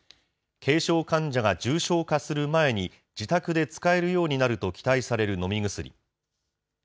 軽症患者が重症化する前に、自宅で使えるようになると期待される飲み薬。